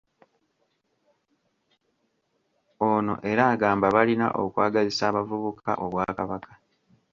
Ono era agamba balina okwagazisa abavubuka Obwakabaka